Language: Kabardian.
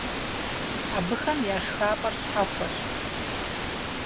Абыхэм я шхапӀэр щхьэхуэщ.